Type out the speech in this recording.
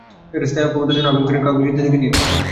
স্থায়ী অক্ষমতার জন্য আপিল করে কাউকেই জিততে দেখিনি আমি।